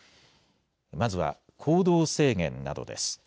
まずは、行動制限などです。